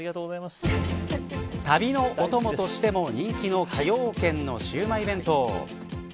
旅のお供としても人気の崎陽軒のシウマイ弁当。